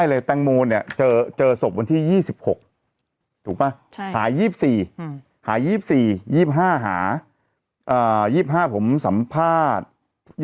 หา๒๕ผมสัมภาษณ์